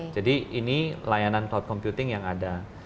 jadi ini layanan cloud computing yang ada